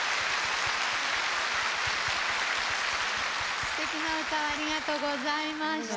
すてきな歌をありがとうございました。